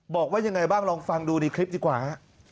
บอกว่ายังไงบ้างลองฟังดูในคลิปดีกว่าฮะ